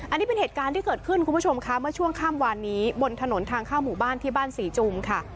อันนี้เป็นเหตุการณ์ที่เกิดขึ้นคุณผู้ชมค่ะเมื่อช่วงข้ามวานนี้บนถนนทางเข้าหมู่บ้านที่บ้านศรีจุมค่ะ